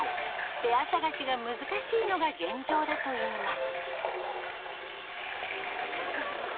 ペア探しが難しいのが現状だといいます。